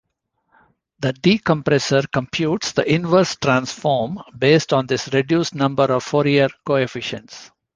The decompressor computes the inverse transform based on this reduced number of Fourier coefficients.